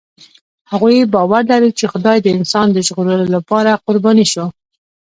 هغوی باور لري، چې خدای د انسان د ژغورلو لپاره قرباني شو.